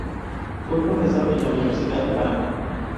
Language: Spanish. Fue profesor en la Universidad de Panamá.